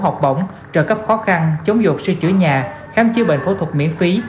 học bổng trợ cấp khó khăn chống dột sưu chữa nhà khám chứa bệnh phẫu thuật miễn phí